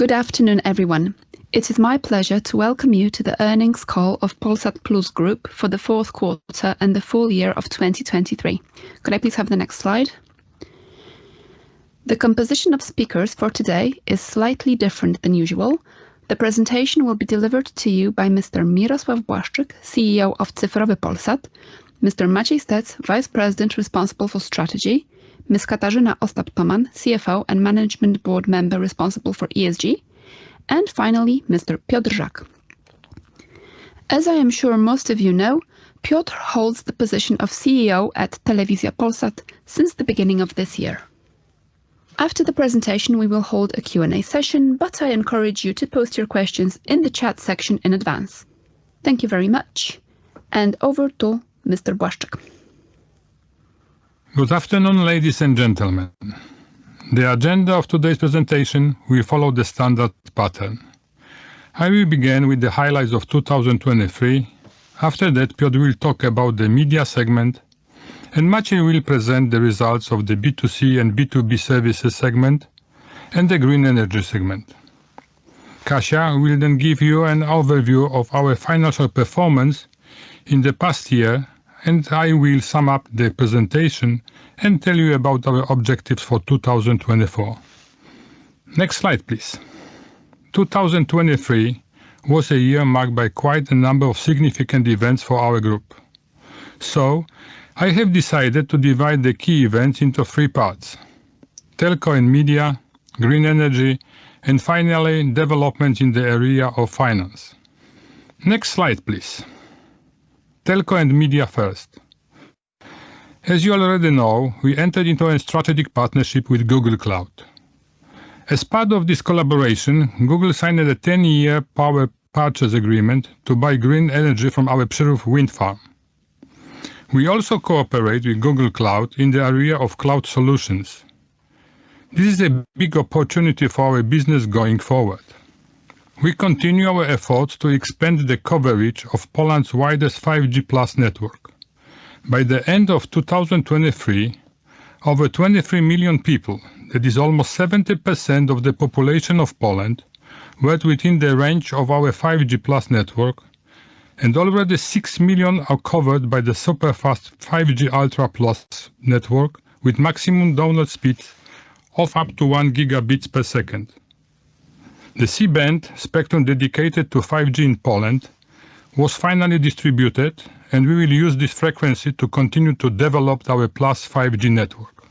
Good afternoon, everyone. It is my pleasure to welcome you to the earnings call of Polsat Plus Group for the fourth quarter and the full year of 2023. Could I please have the next slide? The composition of speakers for today is slightly different than usual. The presentation will be delivered to you by Mr. Mirosław Błaszczyk, CEO of Cyfrowy Polsat, Mr. Maciej Stec, Vice President responsible for strategy, Ms. Katarzyna Ostap-Tomann, CFO, and Management Board Member responsible for ESG, and finally, Mr. Piotr Żak. As I am sure most of you know, Piotr holds the position of CEO at Telewizja Polsat since the beginning of this year. After the presentation, we will hold a Q&A session, but I encourage you to post your questions in the chat section in advance. Thank you very much, and over to Mr. Błaszczyk. Good afternoon, ladies and gentlemen. The agenda of today's presentation will follow the standard pattern. I will begin with the highlights of 2023. After that, Piotr will talk about the media segment, and Maciej will present the results of the B2C and B2B services segment and the green energy segment. Kasia will then give you an overview of our financial performance in the past year, and I will sum up the presentation and tell you about our objectives for 2024. Next slide, please. 2023 was a year marked by quite a number of significant events for our group. So I have decided to divide the key events into three parts: telco and media, green energy, and finally, development in the area of finance. Next slide, please. Telco and media first. As you already know, we entered into a strategic partnership with Google Cloud. As part of this collaboration, Google signed a 10-year power purchase agreement to buy green energy from our Przyrów wind farm. We also cooperate with Google Cloud in the area of cloud solutions. This is a big opportunity for our business going forward. We continue our efforts to expand the coverage of Poland's widest 5G Plus network. By the end of 2023, over 23 million people, that is almost 70% of the population of Poland, were within the range of our 5G Plus network, and already 6 million are covered by the super-fast 5G Ultra Plus network, with maximum download speed of up to 1 Gbps. The C-Band spectrum dedicated to 5G in Poland was finally distributed, and we will use this frequency to continue to develop our Plus 5G network.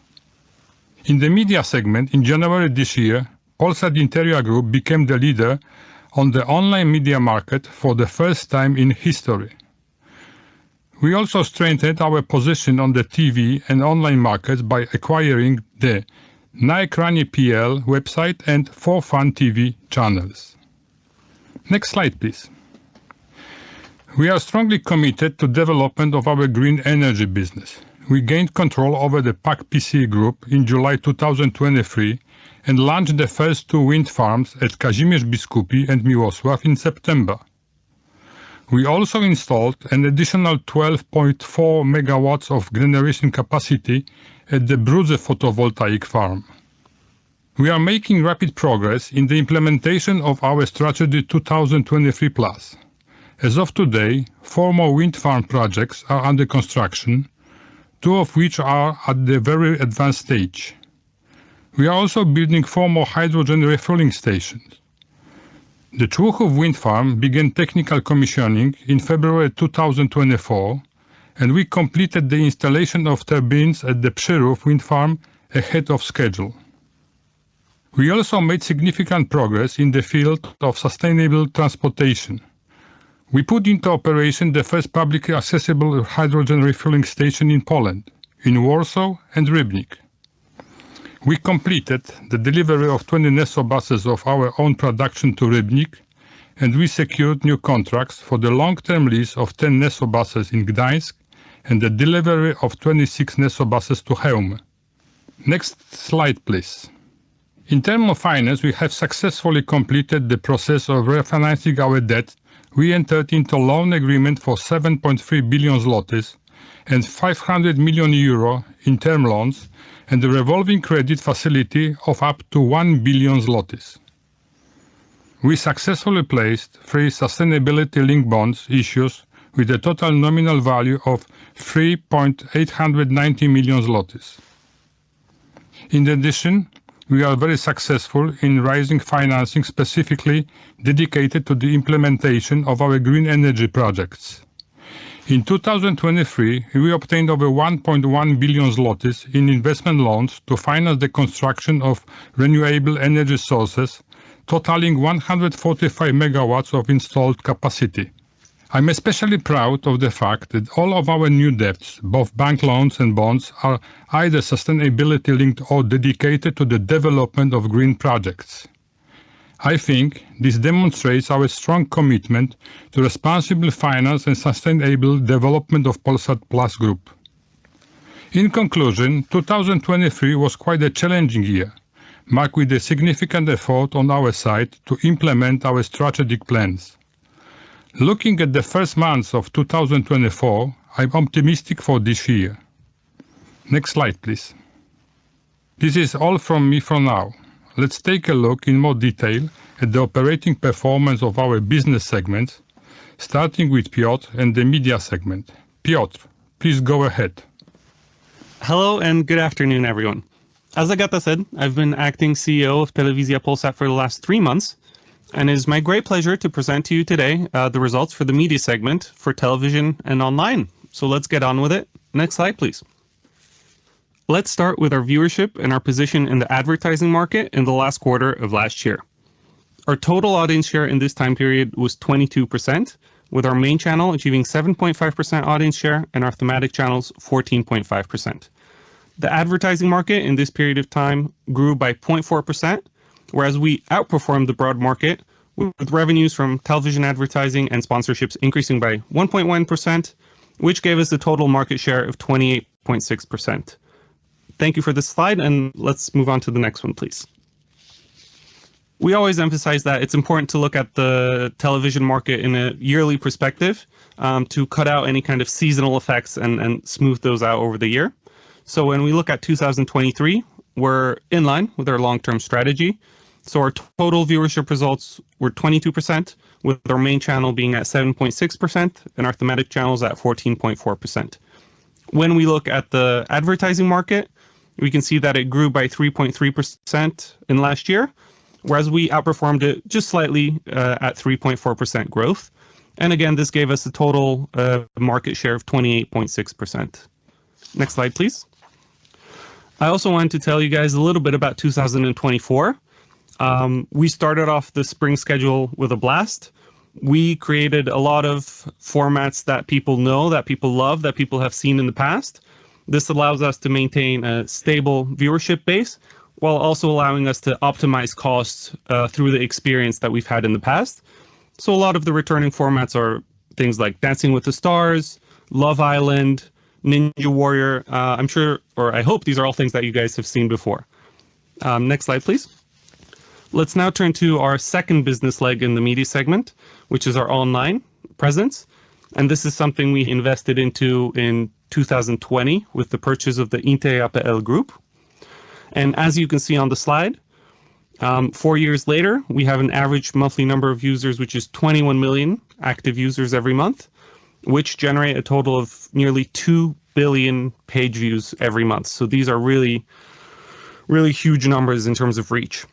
In the media segment in January this year, Polsat-Interia Group became the leader on the online media market for the first time in history. We also strengthened our position on the TV and online market by acquiring the naEKRANIE.pl website and 4FUN.TV channels. Next slide, please. We are strongly committed to development of our green energy business. We gained control over the PAK PCE in July 2023 and launched the first two wind farms at Kazimierz Biskupi and Mirosław in September. We also installed an additional 12.4 MW of generation capacity at the Brudzew Photovoltaic Farm. We are making rapid progress in the implementation of our Strategy 2023+. As of today, four more wind farm projects are under construction, two of which are at the very advanced stage. We are also building four more hydrogen refueling stations. The Człuchów Wind Farm began technical commissioning in February 2024, and we completed the installation of turbines at the Przyrów Wind Farm ahead of schedule. We also made significant progress in the field of sustainable transportation. We put into operation the first publicly accessible hydrogen refueling station in Poland, in Warsaw and Rybnik. We completed the delivery of 20 NesoBuses of our own production to Rybnik, and we secured new contracts for the long-term lease of 10 NesoBuses in Gdańsk and the delivery of 26 NesoBuses to Chełm. Next slide, please. In terms of finance, we have successfully completed the process of refinancing our debt. We entered into a loan agreement for 7.3 billion zlotys and 500 million euro in term loans, and a revolving credit facility of up to 1 billion zlotys. We successfully placed three sustainability-linked bonds, issues with a total nominal value of 389 million zlotys. In addition, we are very successful in raising financing, specifically dedicated to the implementation of our green energy projects. In 2023, we obtained over 1.1 billion zlotys in investment loans to finance the construction of renewable energy sources, totaling 145 MW of installed capacity. I'm especially proud of the fact that all of our new debts, both bank loans and bonds, are either sustainability-linked or dedicated to the development of green projects. I think this demonstrates our strong commitment to responsible finance and sustainable development of Polsat Plus Group. In conclusion, 2023 was quite a challenging year, marked with a significant effort on our side to implement our strategic plans. Looking at the first months of 2024, I'm optimistic for this year. Next slide, please. This is all from me for now. Let's take a look in more detail at the operating performance of our business segment, starting with Piotr and the media segment. Piotr, please go ahead. Hello, and good afternoon, everyone. As Agata said, I've been acting CEO of Telewizja Polsat for the last three months, and it is my great pleasure to present to you today, the results for the media segment for television and online. So let's get on with it. Next slide, please. Let's start with our viewership and our position in the advertising market in the last quarter of last year. Our total audience share in this time period was 22%, with our main channel achieving 7.5% audience share and our thematic channels 14.5%. The advertising market in this period of time grew by 0.4%, whereas we outperformed the broad market with revenues from television advertising and sponsorships increasing by 1.1%, which gave us the total market share of 28.6%. Thank you for this slide, and let's move on to the next one, please. We always emphasize that it's important to look at the television market in a yearly perspective, to cut out any kind of seasonal effects and smooth those out over the year. So when we look at 2023, we're in line with our long-term strategy. So our total viewership results were 22%, with our main channel being at 7.6% and our thematic channels at 14.4%. When we look at the advertising market, we can see that it grew by 3.3% in last year, whereas we outperformed it just slightly, at 3.4% growth. And again, this gave us a total market share of 28.6%. Next slide, please. I also wanted to tell you guys a little bit about 2024. We started off the spring schedule with a blast. We created a lot of formats that people know, that people love, that people have seen in the past. This allows us to maintain a stable viewership base, while also allowing us to optimize costs through the experience that we've had in the past. So a lot of the returning formats are things like Dancing with the Stars, Love Island, Ninja Warrior. I'm sure, or I hope these are all things that you guys have seen before. Next slide, please. Let's now turn to our second business leg in the media segment, which is our online presence, and this is something we invested into in 2020 with the purchase of the Interia.pl Group. As you can see on the slide, four years later, we have an average monthly number of users, which is 21 million active users every month, which generate a total of nearly 2 billion page views every month. So these are really, really huge numbers in terms of reach.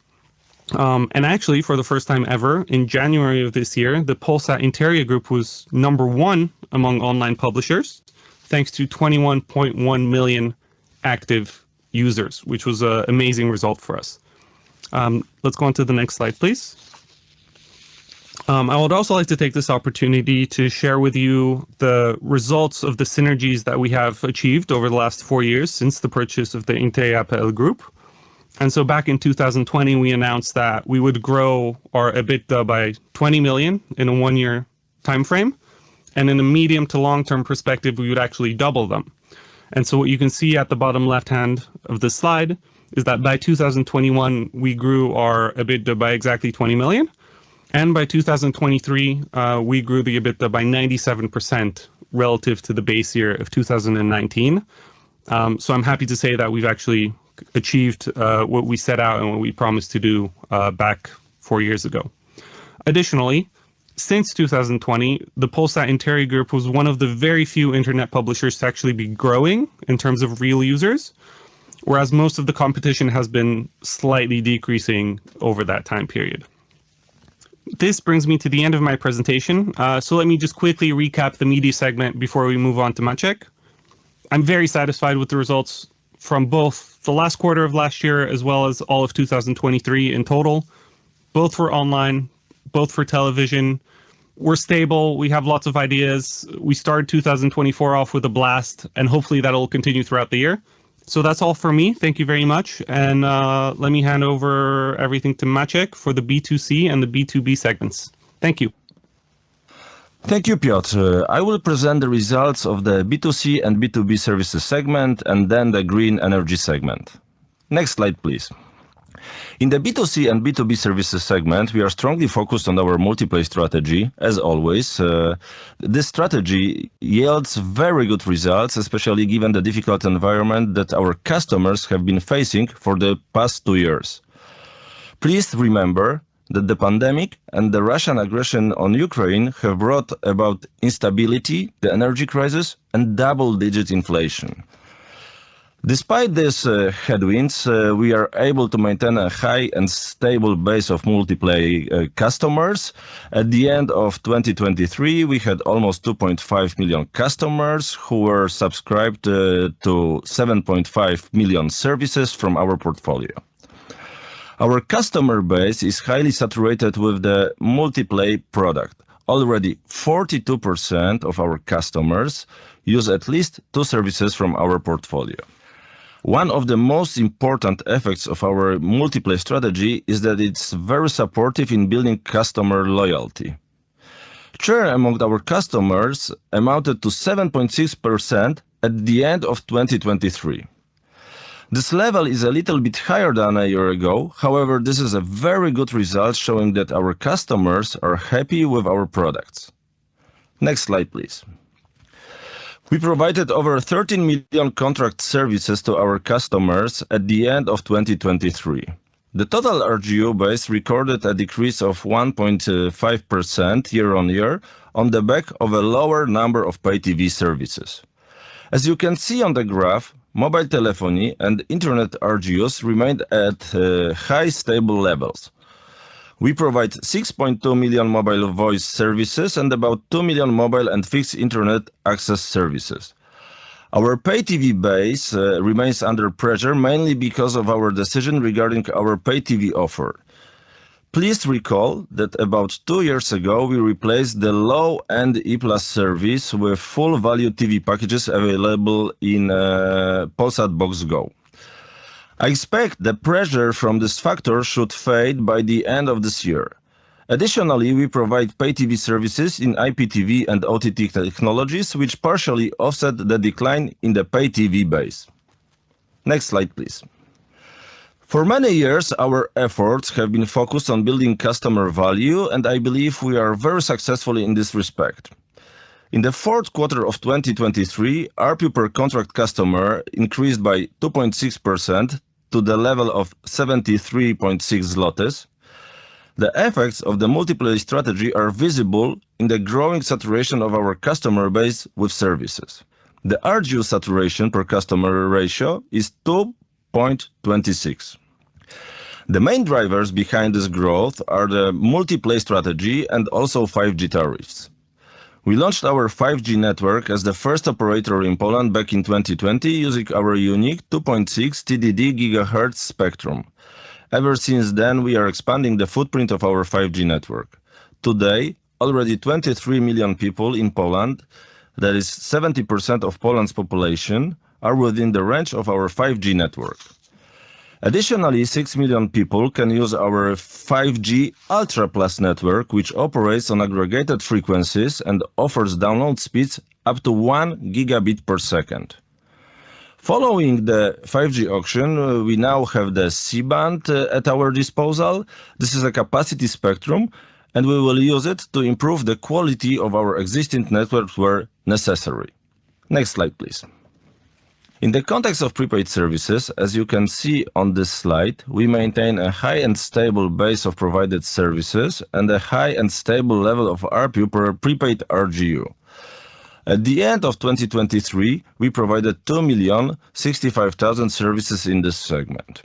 Actually, for the first time ever, in January of this year, the Polsat-Interia Group was number one among online publishers, thanks to 21.1 million active users, which was an amazing result for us. Let's go on to the next slide, please. I would also like to take this opportunity to share with you the results of the synergies that we have achieved over the last four years since the purchase of the Interia.pl Group. Back in 2020, we announced that we would grow our EBITDA by 20 million in a one-year timeframe, and in a medium to long-term perspective, we would actually double them. What you can see at the bottom left-hand of this slide is that by 2021, we grew our EBITDA by exactly 20 million, and by 2023, we grew the EBITDA by 97% relative to the base year of 2019. I'm happy to say that we've actually achieved what we set out and what we promised to do back four years ago. Additionally, since 2020, the Polsat-Interia Group was one of the very few internet publishers to actually be growing in terms of real users, whereas most of the competition has been slightly decreasing over that time period. This brings me to the end of my presentation. So let me just quickly recap the media segment before we move on to Maciej. I'm very satisfied with the results from both the last quarter of last year as well as all of 2023 in total. Both for online, both for television, we're stable, we have lots of ideas. We started 2024 off with a blast, and hopefully, that will continue throughout the year. So that's all for me. Thank you very much, and let me hand over everything to Maciej for the B2C and the B2B segments. Thank you. Thank you, Piotr. I will present the results of the B2C and B2B services segment and then the green energy segment. Next slide, please. In the B2C and B2B services segment, we are strongly focused on our multi-play strategy, as always. This strategy yields very good results, especially given the difficult environment that our customers have been facing for the past two years. Please remember that the pandemic and the Russian aggression on Ukraine have brought about instability, the energy crisis, and double-digit inflation. Despite these headwinds, we are able to maintain a high and stable base of multi-play customers. At the end of 2023, we had almost 2.5 million customers who were subscribed to 7.5 million services from our portfolio. Our customer base is highly saturated with the multi-play product. Already, 42% of our customers use at least two services from our portfolio. One of the most important effects of our multi-play strategy is that it's very supportive in building customer loyalty. Churn among our customers amounted to 7.6% at the end of 2023. This level is a little bit higher than a year ago. However, this is a very good result, showing that our customers are happy with our products. Next slide, please. We provided over 13 million contract services to our customers at the end of 2023. The total RGU base recorded a decrease of 1.5% year-on-year on the back of a lower number of pay TV services. As you can see on the graph, mobile telephony and internet RGUs remained at high, stable levels. We provide 6.2 million mobile voice services and about 2 million mobile and fixed internet access services. Our pay TV base remains under pressure, mainly because of our decision regarding our pay TV offer. Please recall that about two years ago, we replaced the IPLA service with full value TV packages available in Polsat Box Go. I expect the pressure from this factor should fade by the end of this year. Additionally, we provide pay TV services in IPTV and OTT technologies, which partially offset the decline in the pay TV base. Next slide, please. For many years, our efforts have been focused on building customer value, and I believe we are very successful in this respect. In the fourth quarter of 2023, ARPU per contract customer increased by 2.6% to the level of 73.6. The effects of the multi-play strategy are visible in the growing saturation of our customer base with services. The RGU saturation per customer ratio is 2.26. The main drivers behind this growth are the multi-play strategy and also 5G tariffs. We launched our 5G network as the first operator in Poland back in 2020, using our unique 2.6 GHz TDD spectrum. Ever since then, we are expanding the footprint of our 5G network. Today, already 23 million people in Poland, that is 70% of Poland's population, are within the range of our 5G network. Additionally, 6 million people can use our 5G Ultra Plus network, which operates on aggregated frequencies and offers download speeds up to 1 Gbps. Following the 5G auction, we now have the C-Band at our disposal. This is a capacity spectrum, and we will use it to improve the quality of our existing networks where necessary. Next slide, please. In the context of prepaid services, as you can see on this slide, we maintain a high and stable base of provided services and a high and stable level of ARPU per prepaid RGU. At the end of 2023, we provided 2,065,000 services in this segment.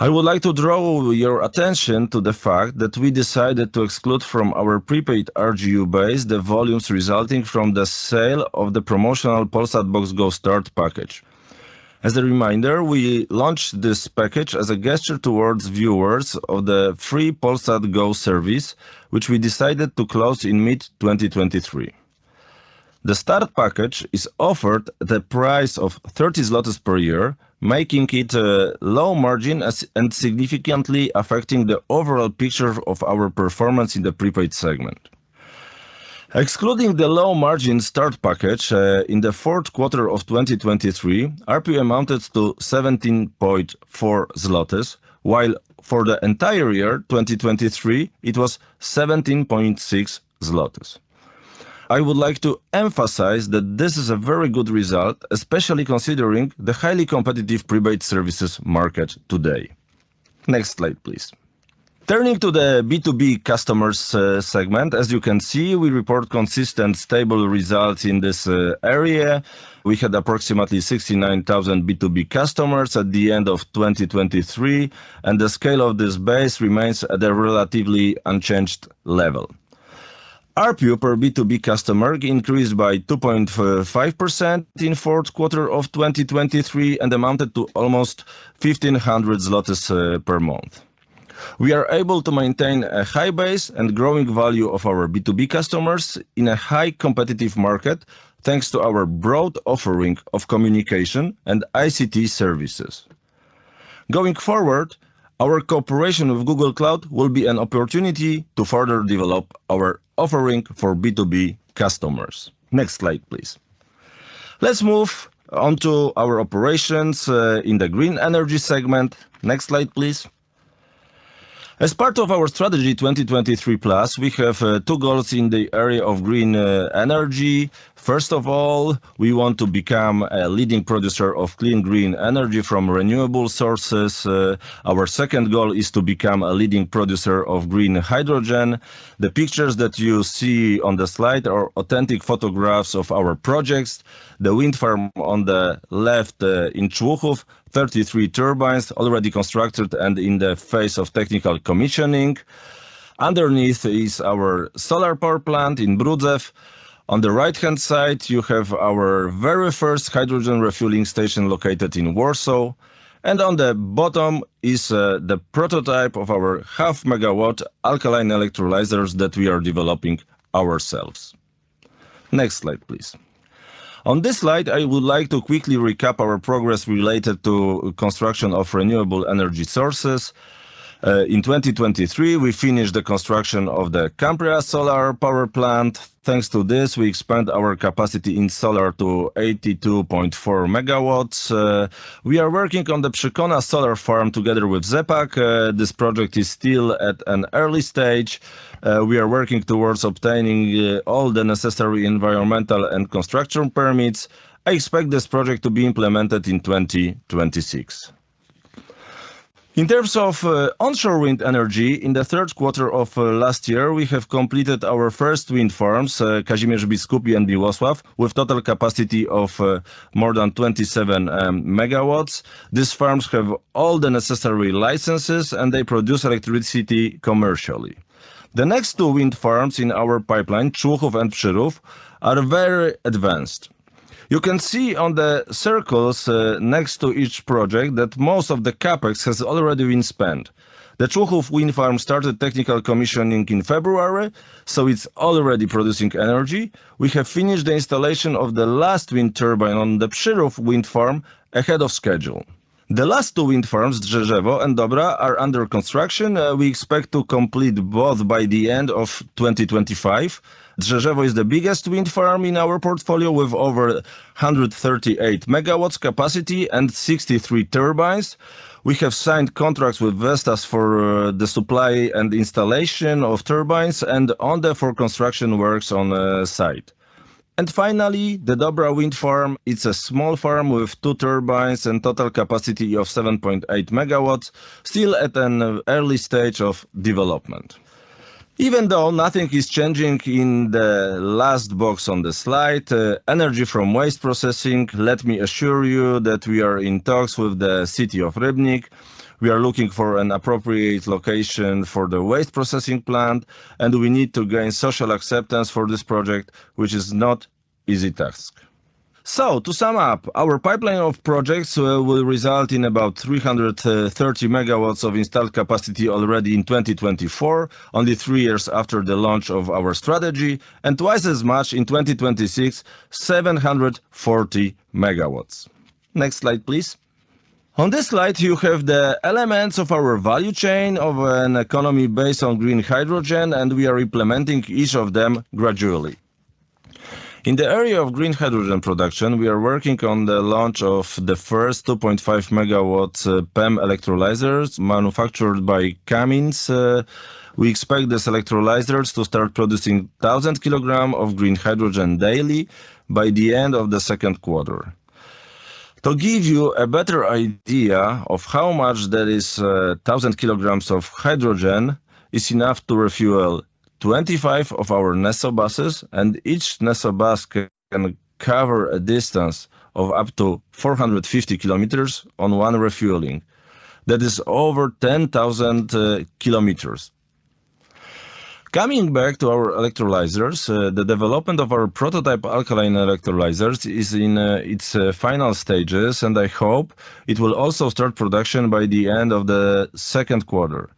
I would like to draw your attention to the fact that we decided to exclude from our prepaid RGU base the volumes resulting from the sale of the promotional Polsat Box Go Start package. As a reminder, we launched this package as a gesture towards viewers of the free Polsat Go service, which we decided to close in mid-2023. The Start package is offered at the price of 30 zlotys per year, making it a low margin as and significantly affecting the overall picture of our performance in the prepaid segment. Excluding the low-margin Start package, in the fourth quarter of 2023, ARPU amounted to 17.4 zlotys, while for the entire year 2023, it was 17.6 zlotys. I would like to emphasize that this is a very good result, especially considering the highly competitive prepaid services market today. Next slide, please. Turning to the B2B customers segment, as you can see, we report consistent, stable results in this area. We had approximately 69,000 B2B customers at the end of 2023, and the scale of this base remains at a relatively unchanged level. ARPU per B2B customer increased by 2.5% in fourth quarter of 2023 and amounted to almost 1,500 zlotys per month. We are able to maintain a high base and growing value of our B2B customers in a high competitive market, thanks to our broad offering of communication and ICT services. Going forward, our cooperation with Google Cloud will be an opportunity to further develop our offering for B2B customers. Next slide, please. Let's move on to our operations in the green energy segment. Next slide, please. As part of our strategy, 2023+, we have two goals in the area of green energy. First of all, we want to become a leading producer of clean, green energy from renewable sources. Our second goal is to become a leading producer of green hydrogen. The pictures that you see on the slide are authentic photographs of our projects. The wind farm on the left in Człuchów, 33 turbines already constructed and in the phase of technical commissioning. Underneath is our solar power plant in Brudzew. On the right-hand side, you have our very first hydrogen refueling station located in Warsaw, and on the bottom is the prototype of our 0.5 MW alkaline electrolyzers that we are developing ourselves. Next slide, please. On this slide, I would like to quickly recap our progress related to construction of renewable energy sources in 2023, we finished the construction of the Cambria Solar Power Plant. Thanks to this, we expanded our capacity in solar to 82.4 MW. We are working on the Przykona Solar Farm together with ZE PAK. This project is still at an early stage. We are working towards obtaining all the necessary environmental and construction permits. I expect this project to be implemented in 2026. In terms of onshore wind energy, in the third quarter of last year, we have completed our first wind farms, Kazimierz Biskupi and Mirosław, with total capacity of more than 27 MW. These farms have all the necessary licenses, and they produce electricity commercially. The next two wind farms in our pipeline, Człuchów and Przyrów, are very advanced. You can see on the circles next to each project, that most of the CapEx has already been spent. The Człuchów Wind Farm started technical commissioning in February, so it's already producing energy. We have finished the installation of the last wind turbine on the Przyrów Wind Farm ahead of schedule. The last two wind farms, Drzeżewo and Dobra, are under construction. We expect to complete both by the end of 2025. Drzeżewo is the biggest wind farm in our portfolio, with over 138 MW capacity and 63 turbines. We have signed contracts with Vestas for the supply and installation of turbines and ONDE for construction works on the site. Finally, the Dobra Wind Farm, it's a small farm with two turbines and total capacity of 7.8 MW, still at an early stage of development. Even though nothing is changing in the last box on the slide, energy from waste processing, let me assure you that we are in talks with the city of Rybnik. We are looking for an appropriate location for the waste processing plant, and we need to gain social acceptance for this project, which is not easy task. So to sum up, our pipeline of projects will result in about 330 MW of installed capacity already in 2024, only three years after the launch of our strategy, and twice as much in 2026, 740 MW. Next slide, please. On this slide, you have the elements of our value chain of an economy based on green hydrogen, and we are implementing each of them gradually. In the area of green hydrogen production, we are working on the launch of the first 2.5 MW PEM electrolyzers manufactured by Cummins. We expect these electrolyzers to start producing 1,000 kilograms of green hydrogen daily by the end of the second quarter. To give you a better idea of how much that is, 1,000 kg of hydrogen is enough to refuel 25 of our NesoBuses, and each NesoBus can cover a distance of up to 450 km on one refueling. That is over 10,000 km. Coming back to our electrolyzers, the development of our prototype alkaline electrolyzers is in its final stages, and I hope it will also start production by the end of the second quarter.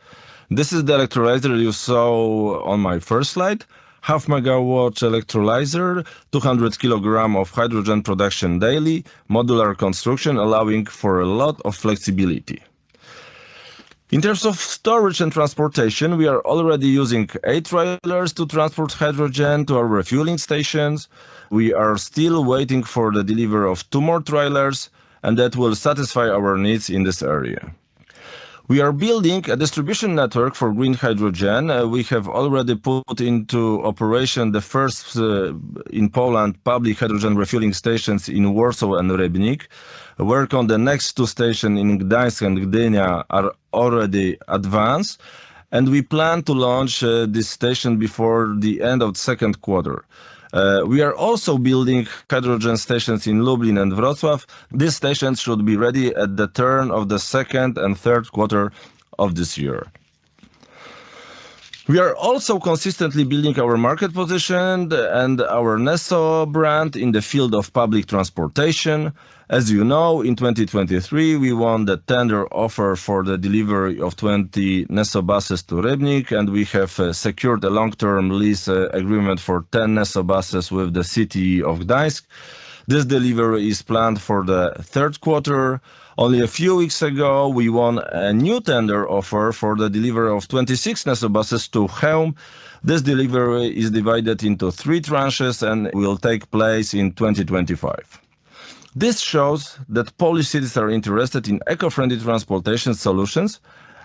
This is the electrolyzer you saw on my first slide. 0.5 MW electrolyzer, 200 kg of hydrogen production daily, modular construction, allowing for a lot of flexibility. In terms of storage and transportation, we are already using 8 trailers to transport hydrogen to our refueling stations. We are still waiting for the delivery of two more trailers, and that will satisfy our needs in this area. We are building a distribution network for green hydrogen. We have already put into operation the first in Poland public hydrogen refueling stations in Warsaw and Rybnik. Work on the next two stations in Gdańsk and Gdynia is already advanced, and we plan to launch this station before the end of the second quarter. We are also building hydrogen stations in Lublin and Wrocław. These stations should be ready at the turn of the second and third quarter of this year. We are also consistently building our market position and our Neso brand in the field of public transportation. As you know, in 2023, we won the tender offer for the delivery of 20 NesoBuses to Rybnik, and we have secured a long-term lease agreement for 10 NesoBuses with the city of Gdańsk. This delivery is planned for the third quarter. Only a few weeks ago, we won a new tender offer for the delivery of 26 NesoBuses to Chełm. This delivery is divided into three tranches and will take place in 2025. This shows that Polish cities are interested in eco-friendly transportation solutions,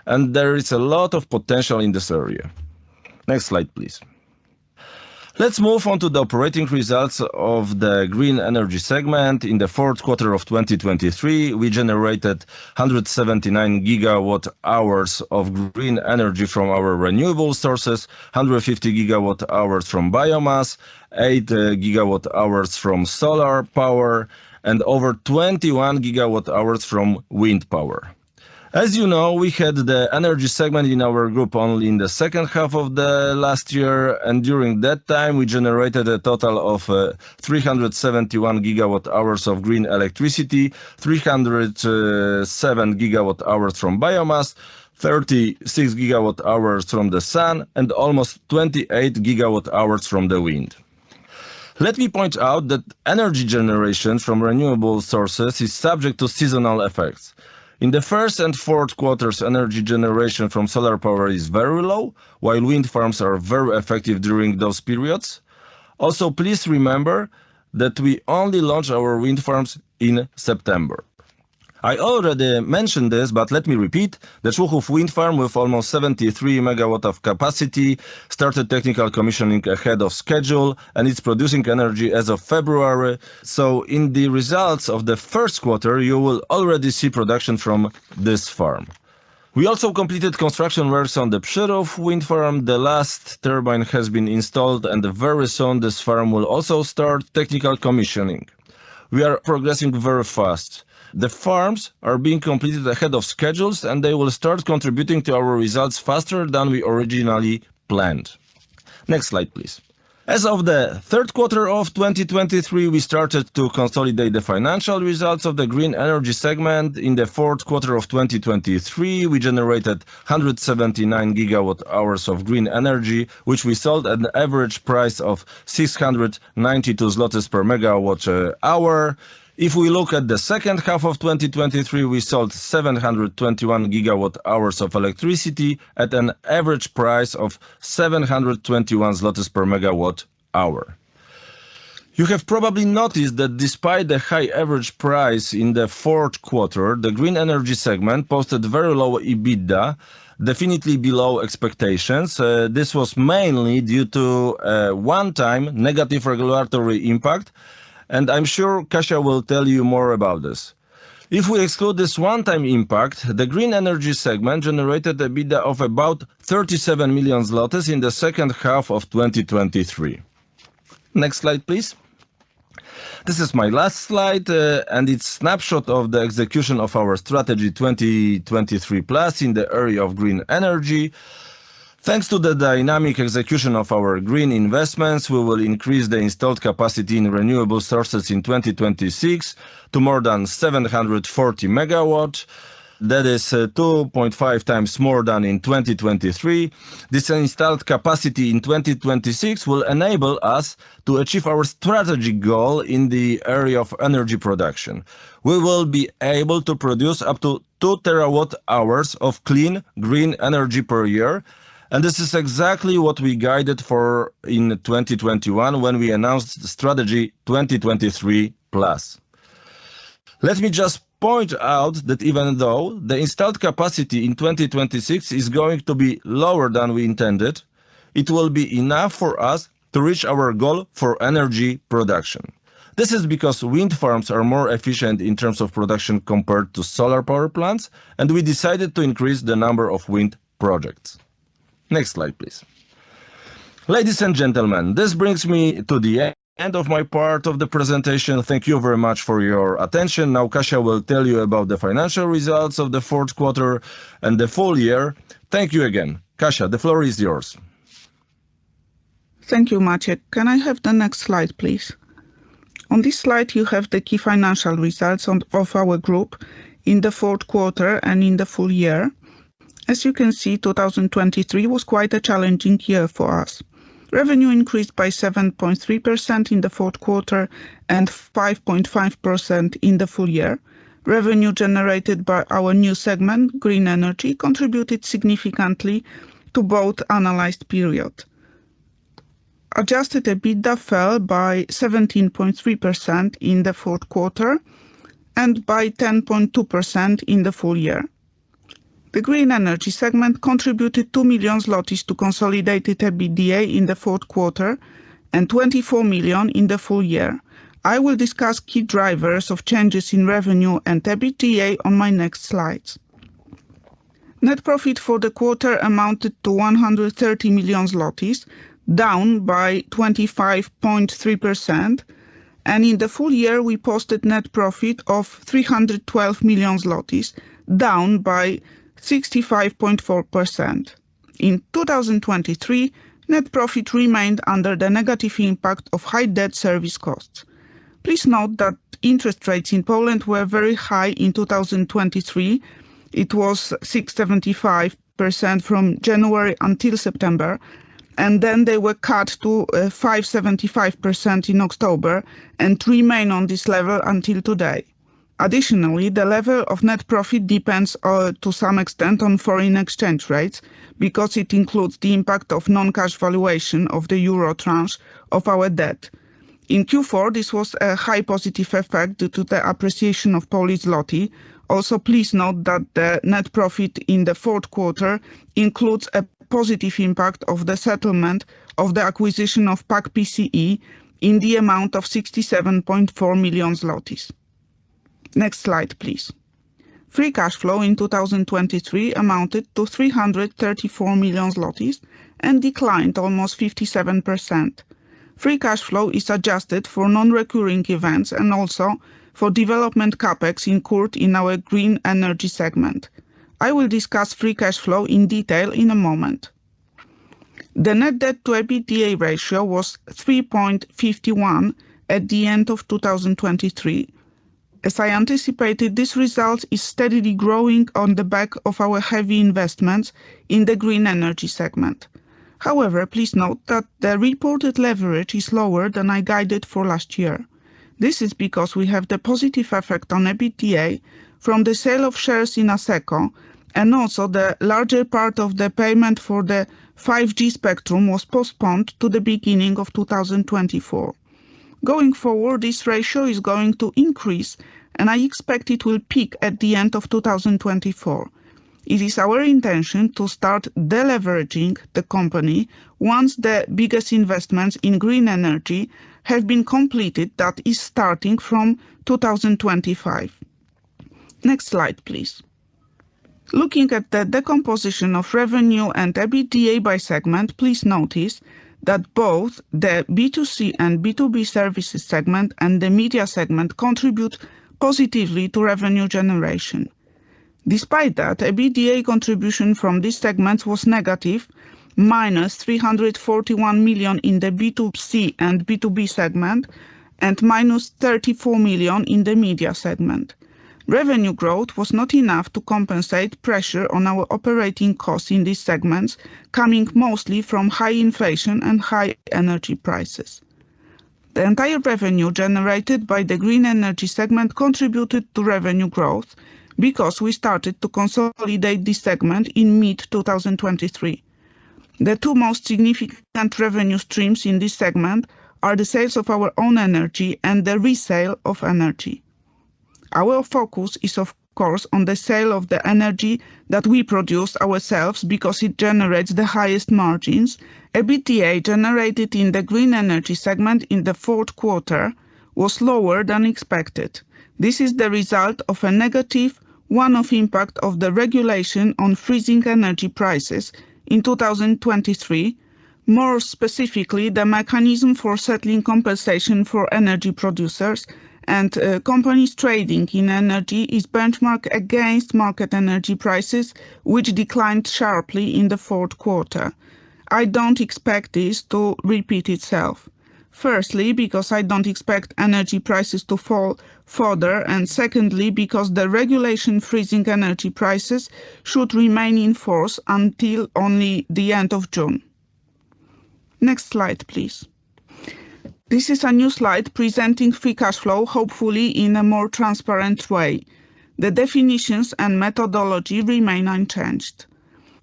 and there is a lot of potential in this area. Next slide, please. Let's move on to the operating results of the green energy segment. In the fourth quarter of 2023, we generated 179 GWh of green energy from our renewable sources, 150 GWh from biomass, 8 GWh from solar power, and over 21 GWh from wind power. As you know, we had the energy segment in our group only in the second half of the last year, and during that time, we generated a total of 371 GWh of green electricity, 307 GWh from biomass, 36 GWh from the sun, and almost 28 GWh from the wind. Let me point out that energy generation from renewable sources is subject to seasonal effects. In the first and fourth quarters, energy generation from solar power is very low, while wind farms are very effective during those periods. Also, please remember that we only launched our wind farms in September. I already mentioned this, but let me repeat, the Człuchów wind farm, with almost 73 MW of capacity, started technical commissioning ahead of schedule, and it's producing energy as of February. So in the results of the first quarter, you will already see production from this farm. We also completed construction works on the Przyrów wind farm. The last turbine has been installed, and very soon, this farm will also start technical commissioning. We are progressing very fast. The farms are being completed ahead of schedules, and they will start contributing to our results faster than we originally planned. Next slide, please. As of the third quarter of 2023, we started to consolidate the financial results of the green energy segment. In the fourth quarter of 2023, we generated 179 GWh of green energy, which we sold at an average price of 692 zlotys per MWh. If we look at the second half of 2023, we sold 721 GWh of electricity at an average price of 721 zlotys per MWh. You have probably noticed that despite the high average price in the fourth quarter, the green energy segment posted very low EBITDA, definitely below expectations. This was mainly due to one-time negative regulatory impact, and I'm sure Kasia will tell you more about this. If we exclude this one-time impact, the green energy segment generated EBITDA of about 37 million zlotys in the second half of 2023. Next slide, please. This is my last slide, and it's a snapshot of the execution of our Strategy 2023+ in the area of green energy. Thanks to the dynamic execution of our green investments, we will increase the installed capacity in renewable sources in 2026 to more than 740 MW. That is, 2.5 times more than in 2023. This installed capacity in 2026 will enable us to achieve our strategy goal in the area of energy production. We will be able to produce up to 2 TWh of clean, green energy per year, and this is exactly what we guided for in 2021 when we announced the Strategy 2023+. Let me just point out that even though the installed capacity in 2026 is going to be lower than we intended, it will be enough for us to reach our goal for energy production. This is because wind farms are more efficient in terms of production compared to solar power plants, and we decided to increase the number of wind projects. Next slide, please. Ladies and gentlemen, this brings me to the end of my part of the presentation. Thank you very much for your attention. Now, Kasia will tell you about the financial results of the fourth quarter and the full year. Thank you again. Kasia, the floor is yours. Thank you, Maciej. Can I have the next slide, please? On this slide, you have the key financial results of our group in the fourth quarter and in the full year. As you can see, 2023 was quite a challenging year for us. Revenue increased by 7.3% in the fourth quarter and 5.5% in the full year. Revenue generated by our new segment, green energy, contributed significantly to both analyzed period. Adjusted EBITDA fell by 17.3% in the fourth quarter and by 10.2% in the full year. The green energy segment contributed 2 million zlotys to consolidated EBITDA in the fourth quarter and 24 million in the full year. I will discuss key drivers of changes in revenue and EBITDA on my next slides. Net profit for the quarter amounted to 130 million zlotys, down by 25.3%, and in the full year, we posted net profit of 312 million zlotys, down by 65.4%. In 2023, net profit remained under the negative impact of high debt service costs. Please note that interest rates in Poland were very high in 2023. It was 6.75% from January until September, and then they were cut to 5.75% in October and remain on this level until today. Additionally, the level of net profit depends to some extent on foreign exchange rates because it includes the impact of non-cash valuation of the euro tranche of our debt. In Q4, this was a high positive effect due to the appreciation of Polish zloty. Also, please note that the net profit in the fourth quarter includes a positive impact of the settlement of the acquisition of PAK PCE in the amount of 67.4 million zlotys. Next slide, please. Free cash flow in 2023 amounted to 334 million zlotys and declined almost 57%. Free cash flow is adjusted for non-recurring events and also for development CapEx incurred in our green energy segment. I will discuss free cash flow in detail in a moment. The net debt to EBITDA ratio was 3.51 at the end of 2023. As I anticipated, this result is steadily growing on the back of our heavy investments in the green energy segment. However, please note that the reported leverage is lower than I guided for last year. This is because we have the positive effect on EBITDA from the sale of shares in Asseco, and also the larger part of the payment for the 5G spectrum was postponed to the beginning of 2024. Going forward, this ratio is going to increase, and I expect it will peak at the end of 2024. It is our intention to start deleveraging the company once the biggest investments in green energy have been completed. That is starting from 2025. Next slide, please. Looking at the decomposition of revenue and EBITDA by segment, please notice that both the B2C and B2B services segment and the media segment contribute positively to revenue generation. Despite that, EBITDA contribution from this segment was negative -341 million in the B2C and B2B segment, and -34 million in the media segment. Revenue growth was not enough to compensate pressure on our operating costs in these segments, coming mostly from high inflation and high energy prices. The entire revenue generated by the green energy segment contributed to revenue growth because we started to consolidate this segment in mid-2023. The two most significant revenue streams in this segment are the sales of our own energy and the resale of energy. Our focus is, of course, on the sale of the energy that we produce ourselves because it generates the highest margins. EBITDA generated in the green energy segment in the fourth quarter was lower than expected. This is the result of a negative one-off impact of the regulation on freezing energy prices in 2023. More specifically, the mechanism for settling compensation for energy producers and companies trading in energy is benchmarked against market energy prices, which declined sharply in the fourth quarter. I don't expect this to repeat itself. Firstly, because I don't expect energy prices to fall further, and secondly, because the regulation freezing energy prices should remain in force until only the end of June. Next slide, please. This is a new slide presenting free cash flow, hopefully in a more transparent way. The definitions and methodology remain unchanged.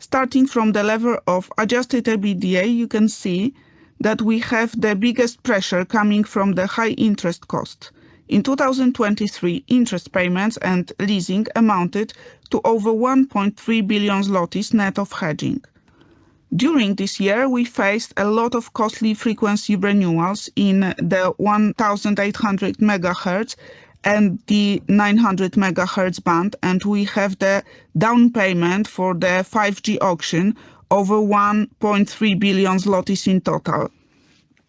Starting from the level of adjusted EBITDA, you can see that we have the biggest pressure coming from the high interest cost. In 2023, interest payments and leasing amounted to over 1.3 billion zlotys, net of hedging. During this year, we faced a lot of costly frequency renewals in the 1,800 MHz and the 900 MHz band, and we have the down payment for the 5G auction, over 1.3 billion zlotys in total.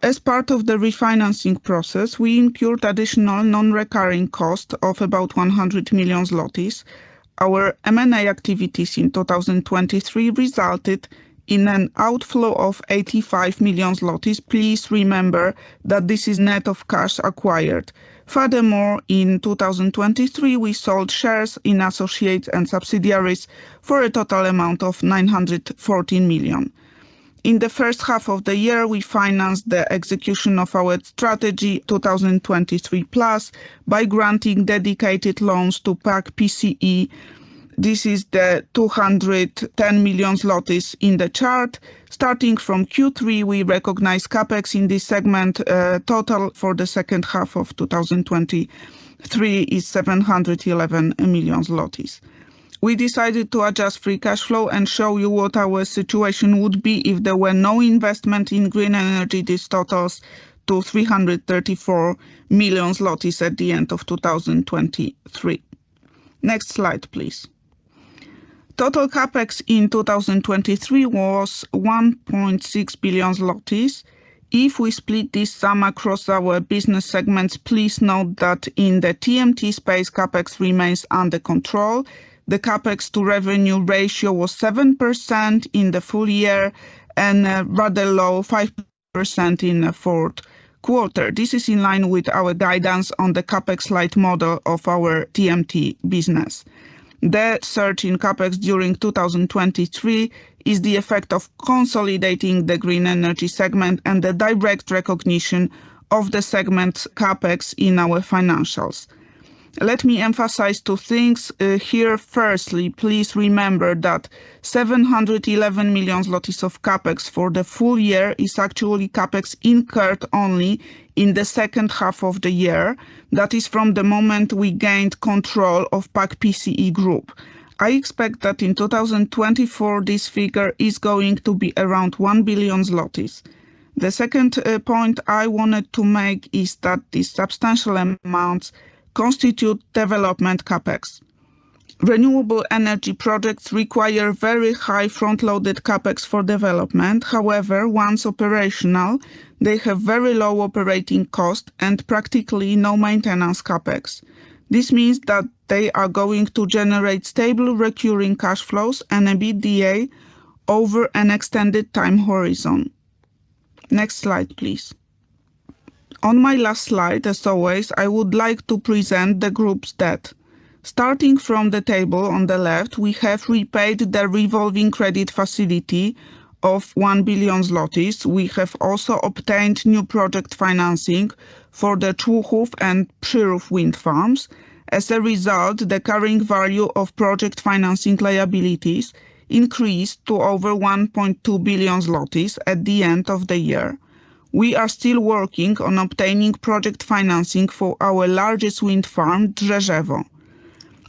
As part of the refinancing process, we incurred additional non-recurring cost of about 100 million zlotys. Our M&A activities in 2023 resulted in an outflow of 85 million zlotys. Please remember that this is net of cash acquired. Furthermore, in 2023, we sold shares in associates and subsidiaries for a total amount of 914 million. In the first half of the year, we financed the execution of our strategy, 2023+, by granting dedicated loans to PAK PCE. This is the 210 million zlotys in the chart. Starting from Q3, we recognized CapEx in this segment, total for the second half of 2023 is 711 million. We decided to adjust free cash flow and show you what our situation would be if there were no investment in green energy. This totals to 334 million at the end of 2023. Next slide, please. Total CapEx in 2023 was 1.6 billion. If we split this sum across our business segments, please note that in the TMT space, CapEx remains under control. The CapEx to revenue ratio was 7% in the full year and, rather low, 5% in the fourth quarter. This is in line with our guidance on the CapEx light model of our TMT business. The surge in CapEx during 2023 is the effect of consolidating the green energy segment and the direct recognition of the segment's CapEx in our financials. Let me emphasize two things here. Firstly, please remember that 711 million of CapEx for the full year is actually CapEx incurred only in the second half of the year. That is from the moment we gained control of PAK PCE Group. I expect that in 2024, this figure is going to be around 1 billion zlotys. The second point I wanted to make is that these substantial amounts constitute development CapEx. Renewable energy projects require very high front-loaded CapEx for development. However, once operational, they have very low operating cost and practically no maintenance CapEx. This means that they are going to generate stable recurring cash flows and EBITDA over an extended time horizon. Next slide, please. On my last slide, as always, I would like to present the group's debt. Starting from the table on the left, we have repaid the revolving credit facility of 1 billion zlotys. We have also obtained new project financing for the Człuchów and Przyrów wind farms. As a result, the carrying value of project financing liabilities increased to over 1.2 billion zlotys at the end of the year. We are still working on obtaining project financing for our largest wind farm, Drzeżewo.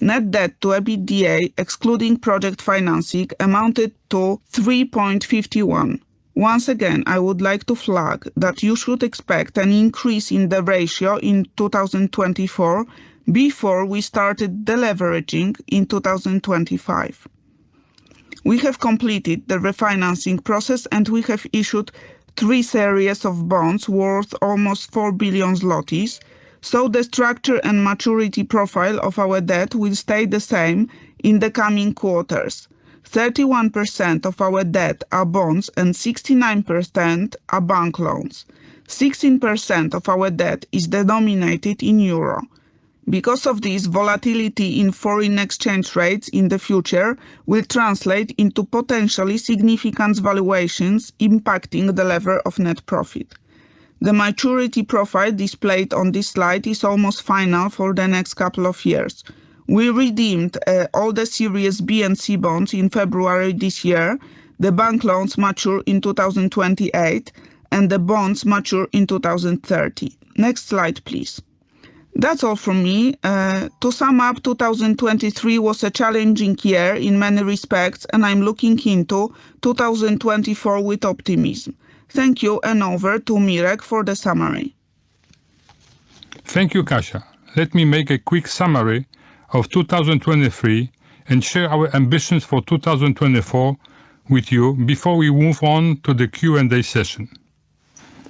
Net debt to EBITDA, excluding project financing, amounted to 3.51. Once again, I would like to flag that you should expect an increase in the ratio in 2024, before we started deleveraging in 2025. We have completed the refinancing process, and we have issued three series of bonds worth almost 4 billion zlotys, so the structure and maturity profile of our debt will stay the same in the coming quarters. 31% of our debt are bonds and 69% are bank loans. 16% of our debt is denominated in euro. Because of this, volatility in foreign exchange rates in the future will translate into potentially significant valuations impacting the level of net profit. The maturity profile displayed on this slide is almost final for the next couple of years. We redeemed all the Series B and C bonds in February this year. The bank loans mature in 2028, and the bonds mature in 2030. Next slide, please. That's all from me. To sum up, 2023 was a challenging year in many respects, and I'm looking into 2024 with optimism. Thank you, and over to Mirek for the summary. Thank you, Kasia. Let me make a quick summary of 2023 and share our ambitions for 2024 with you before we move on to the Q&A session.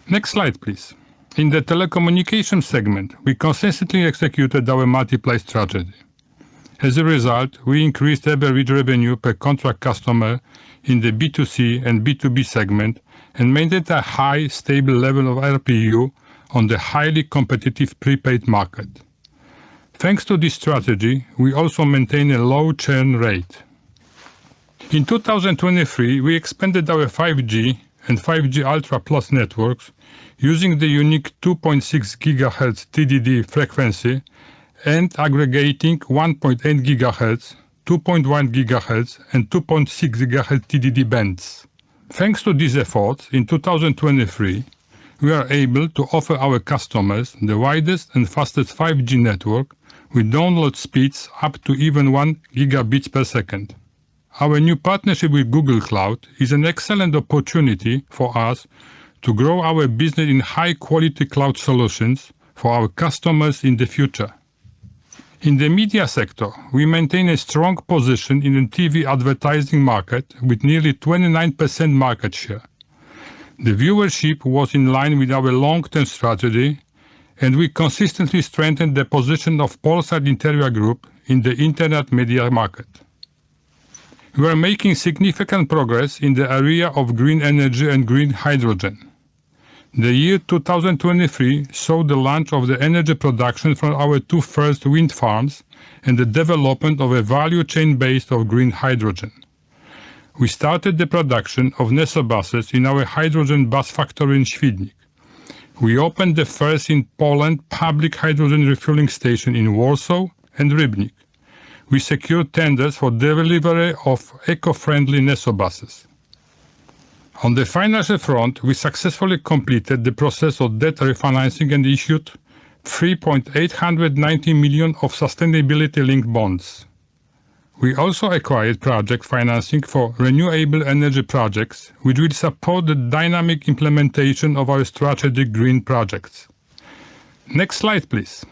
Next slide, please. In the telecommunication segment, we consistently executed our multi-play strategy. As a result, we increased average revenue per contract customer in the B2C and B2B segment and maintained a high, stable level of RPU on the highly competitive prepaid market. Thanks to this strategy, we also maintain a low churn rate. In 2023, we expanded our 5G and 5G Ultra Plus networks using the unique 2.6 GHz TDD frequency and aggregating 1.8 GHz, 2.1 GHz, and 2.6 GHz TDD bands. Thanks to this effort, in 2023, we are able to offer our customers the widest and fastest 5G network with download speeds up to even 1 Gbps. Our new partnership with Google Cloud is an excellent opportunity for us to grow our business in high-quality cloud solutions for our customers in the future. In the media sector, we maintain a strong position in the TV advertising market with nearly 29% market share. The viewership was in line with our long-term strategy, and we consistently strengthened the position of Polsat Group in the internet media market. We are making significant progress in the area of green energy and green hydrogen. The year 2023 saw the launch of the energy production from our two first wind farms and the development of a value chain base of green hydrogen. We started the production of NesoBus in our hydrogen bus factory in Świdnik. We opened the first in Poland public hydrogen refueling station in Warsaw and Rybnik. We secured tenders for delivery of eco-friendly NesoBus. On the financial front, we successfully completed the process of debt refinancing and issued 389 million of sustainability-linked bonds. We also acquired project financing for renewable energy projects, which will support the dynamic implementation of our strategic green projects. Next slide, please.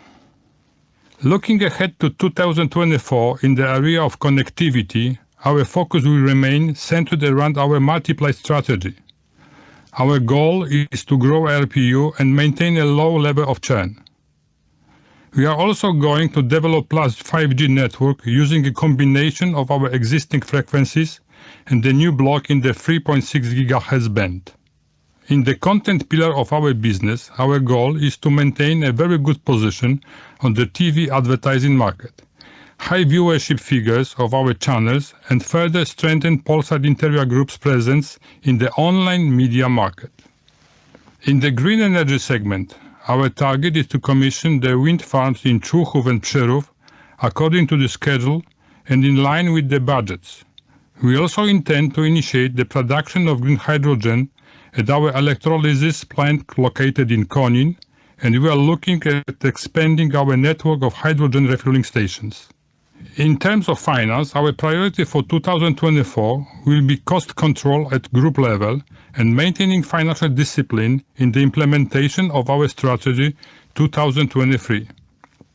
Looking ahead to 2024, in the area of connectivity, our focus will remain centered around our multiplay strategy. Our goal is to grow ARPU and maintain a low level of churn. We are also going to develop Plus 5G network using a combination of our existing frequencies and the new block in the 3.6 GHz band. In the content pillar of our business, our goal is to maintain a very good position on the TV advertising market, high viewership figures of our channels, and further strengthen Polsat Group's presence in the online media market. In the green energy segment, our target is to commission the wind farms in Człuchów and Przyrów, according to the schedule and in line with the budgets. We also intend to initiate the production of green hydrogen at our electrolysis plant located in Konin, and we are looking at expanding our network of hydrogen refueling stations. In terms of finance, our priority for 2024 will be cost control at group level and maintaining financial discipline in the implementation of our strategy 2023.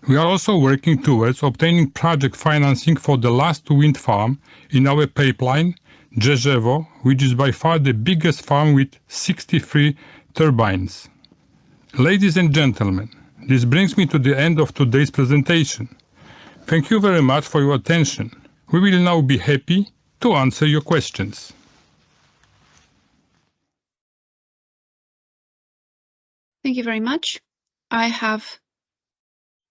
We are also working towards obtaining project financing for the last wind farm in our pipeline, Drzeżewo, which is by far the biggest farm with 63 turbines. Ladies and gentlemen, this brings me to the end of today's presentation. Thank you very much for your attention. We will now be happy to answer your questions. Thank you very much. I have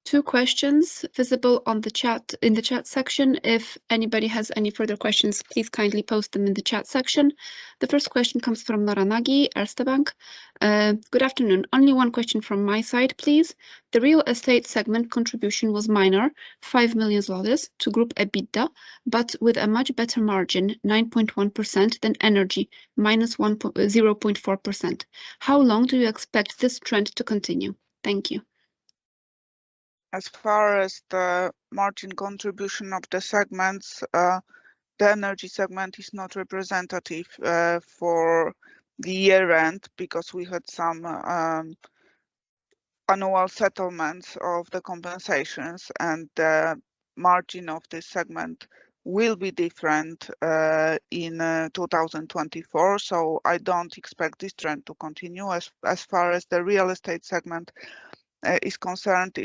two questions visible on the chat, in the chat section. If anybody has any further questions, please kindly post them in the chat section. The first question comes from Nora Nagy, Erste Bank. "Good afternoon. Only one question from my side, please. The real estate segment contribution was minor, $5 million to Group EBITDA, but with a much better margin, 9.1% than energy, minus 1.04%. How long do you expect this trend to continue? Thank you." As far as the margin contribution of the segments, the energy segment is not representative for the year-end because we had some annual settlements of the compensations, and the margin of this segment will be different in 2024. So I don't expect this trend to continue. As far as the real estate segment is concerned,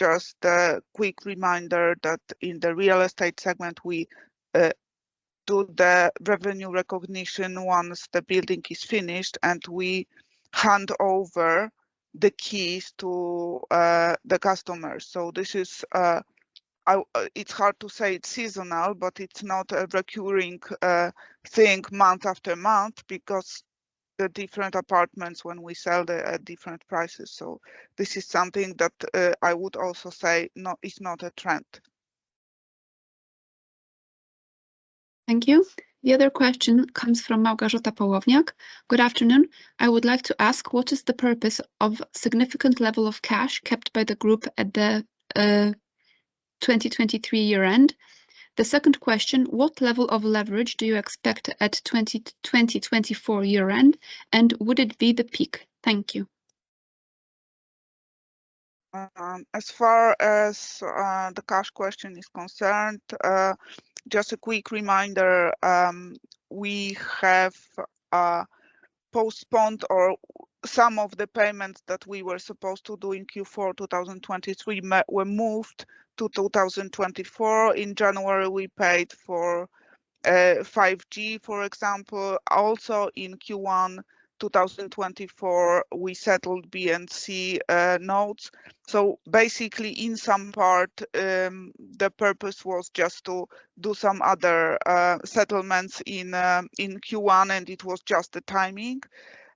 it's just a quick reminder that in the real estate segment, we do the revenue recognition once the building is finished and we hand over the keys to the customer. So this is, it's hard to say it's seasonal, but it's not a recurring thing month after month because the different apartments when we sell they're at different prices. So this is something that I would also say, not, it's not a trend. Thank you. The other question comes from Małgorzata Połownik. "Good afternoon. I would like to ask, what is the purpose of significant level of cash kept by the group at the 2023 year end? The second question, what level of leverage do you expect at 2024 year end, and would it be the peak? Thank you". As far as the cash question is concerned, just a quick reminder, we have postponed or some of the payments that we were supposed to do in Q4 2023 were moved to 2024. In January, we paid for 5G, for example. Also in Q1 2024, we settled B and C notes. So basically, in some part, the purpose was just to do some other settlements in Q1, and it was just the timing.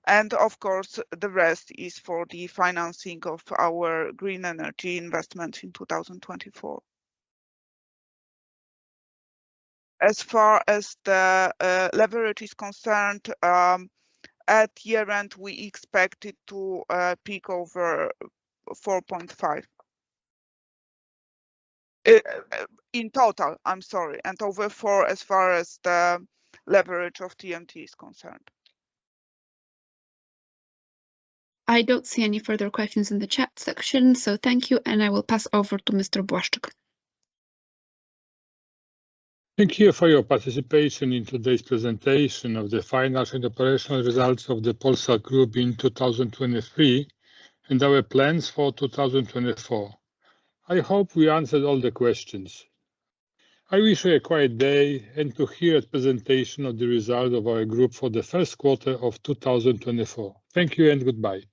And of course, the rest is for the financing of our green energy investment in 2024. As far as the leverage is concerned, at year-end, we expect it to peak over 4.5. In total, I'm sorry, and over 4, as far as the leverage of TMT is concerned. I don't see any further questions in the chat section, so thank you, and I will pass over to Mr. Błaszczyk. Thank you for your participation in today's presentation of the financial and operational results of the Polsat Group in 2023 and our plans for 2024. I hope we answered all the questions. I wish you a quiet day and to hear a presentation of the result of our group for the first quarter of 2024. Thank you and goodbye.